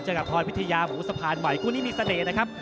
กับพรพิทยาหมูสะพานใหม่คู่นี้มีเสน่ห์นะครับ